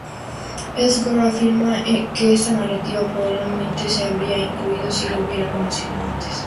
Herzog afirma que esta narrativa probablemente se habría incluido si la hubiera conocido antes.